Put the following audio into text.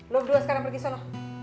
lu berdua sekarang pergi sana